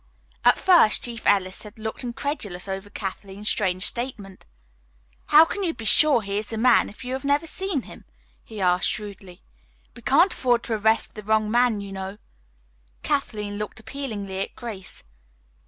At first Chief Ellis had looked incredulous over Kathleen's strange statement. "How can you be sure he is the man if you have never seen him?" he asked shrewdly. "We can't afford to arrest the wrong man, you know." Kathleen looked appealingly at Grace.